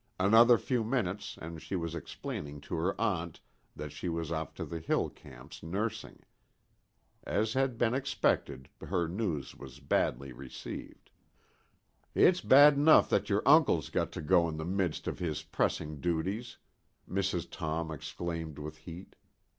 Another few minutes and she was explaining to her aunt that she was off to the hill camps nursing. As had been expected, her news was badly received. "It's bad enough that your uncle's got to go in the midst of his pressing duties," Mrs. Tom exclaimed with heat.